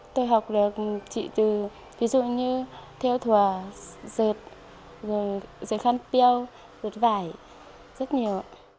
tôi học được chị từ ví dụ như theo thùa dệt rồi dệt khăn piêu dệt vải rất nhiều